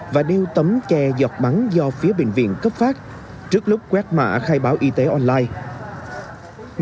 và đeo tấm che giọt bắn do phía bệnh viện cấp phát trước lúc quét mạ khai báo y tế online